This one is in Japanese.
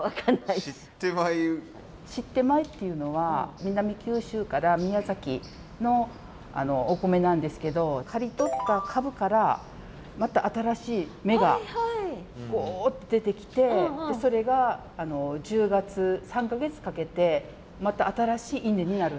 シッテ米っていうのは南九州から宮崎のお米なんですけど刈り取った株からまた新しい芽が出てきてそれが１０月３か月かけてまた新しい稲になるんです。